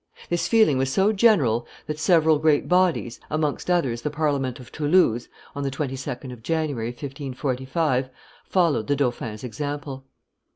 This feeling was so general that several great bodies, amongst others the Parliament of Toulouse (on the 22d of January, 1545), followed the dauphin's example.